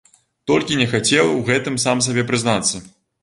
Толькі не хацеў у гэтым сам сабе прызнацца.